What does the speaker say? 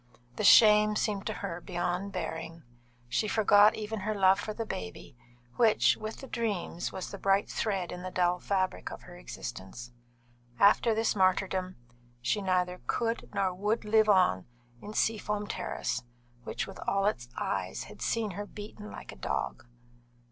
The shame seemed to her beyond bearing. She forgot even her love for the baby, which (with the dreams) was the bright thread in the dull fabric of her existence. After this martyrdom, she neither could nor would live on in Seafoam Terrace, which with all its eyes had seen her beaten like a dog.